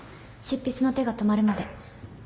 執筆の手が止まるまで。